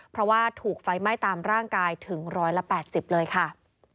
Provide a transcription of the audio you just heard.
เพราะว่าถูกไฟไหม้ตามร่างกายถึง๑๘๐เลยค่ะ